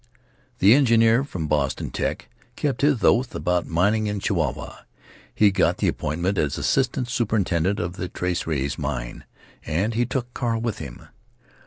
The engineer from Boston Tech. kept his oath about mining in Chihuahua. He got the appointment as assistant superintendent of the Tres Reyes mine—and he took Carl with him.